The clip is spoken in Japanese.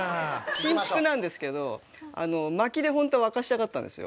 新築なんですけど薪でホントは沸かしたかったんですよ。